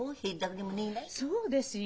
そうですよ！